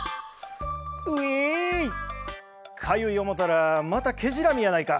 「かゆい思たらまたケジラミやないか。